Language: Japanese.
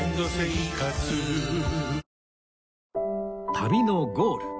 旅のゴール